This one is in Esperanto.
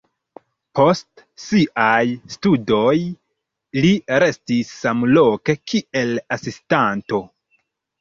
Post siaj studoj li restis samloke kiel asistanto.